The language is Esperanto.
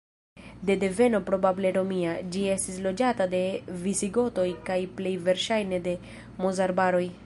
De deveno probable romia, ĝi estis loĝata de visigotoj kaj plej verŝajne de mozaraboj.